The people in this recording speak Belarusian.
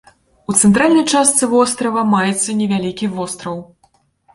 У цэнтральнай частцы вострава маецца невялікі востраў.